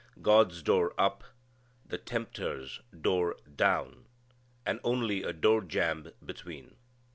God's door up, the tempter's door down, and only a door jamb between.